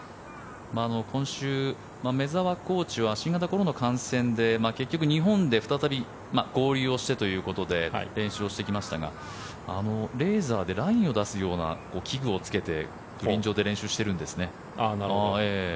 今週、目澤コーチは新型コロナ感染で、日本で再び合流をしてということで練習してきましたがレーザーでラインを出すような器具をつけてグリーン上で練習しているんですね。